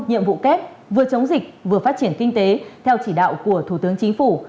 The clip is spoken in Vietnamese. nhiệm vụ kép vừa chống dịch vừa phát triển kinh tế theo chỉ đạo của thủ tướng chính phủ